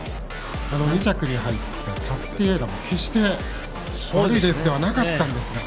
２着に入ったタスティエーラも決して悪いレースではなかったんですが。